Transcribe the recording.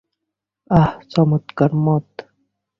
আহ, চমৎকার মদ।